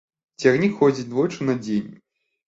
Цягнік ходзіць двойчы на дзень.